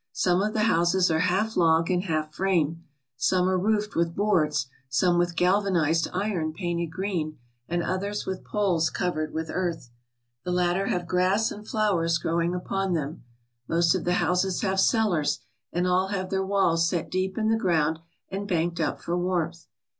Some of the houses are half log and half frame. Some are roofed with boards, some with galvanized iron painted green, and others with poles covered with earth. The latter have grass and flowers growing upon them. Most of the houses have cellars and all have their walls set deep in the ground and banked up for warmth.